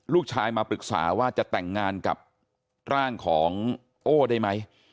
ลูกชายมาปรึกษาว่าจะแต่งงานกับร่างของโอ้ได้ไหม